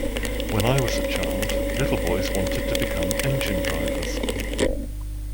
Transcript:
When I was a child, little boys wanted to become engine drivers.